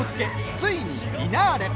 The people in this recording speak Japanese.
ついにフィナーレ！